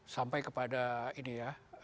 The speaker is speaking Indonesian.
sampai kepada ini ya